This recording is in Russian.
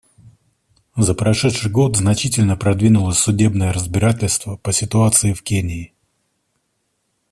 За прошедший год значительно продвинулось судебное разбирательство по ситуации в Кении.